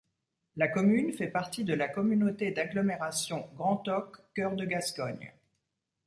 La commune fait partie de la Communauté d'agglomération Grand Auch Cœur de Gascogne.